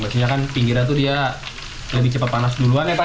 maksudnya kan pinggirnya tuh dia lebih cepat panas duluan ya pak